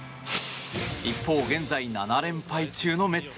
一方、現在７連敗中のメッツ。